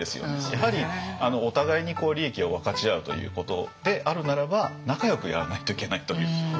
やはりお互いに利益を分かち合うということであるならば仲よくやらないといけないという。